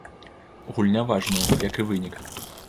Гульня важная, як і вынік.